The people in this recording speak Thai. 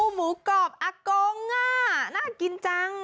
หมูกรอบอากง่าน่ากินจัง